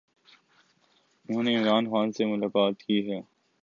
انھوں نے عمران خان سے ملاقات کی ہے۔